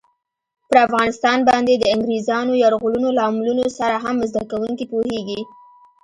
پر افغانستان باندې د انګریزانو یرغلونو لاملونو سره هم زده کوونکي پوهېږي.